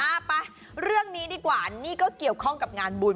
เอาไปเรื่องนี้ดีกว่านี่ก็เกี่ยวข้องกับงานบุญ